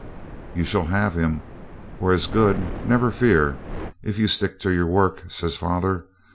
'You shall have him, or as good, never fear, if you stick to your work,' says father.